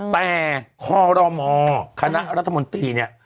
แต่คอรมคณะรัฐมนตรีเนี่ย